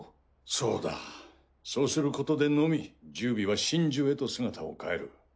そうだそうすることでのみ十尾は神樹へと姿を変える。